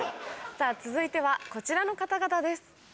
さぁ続いてはこちらの方々です。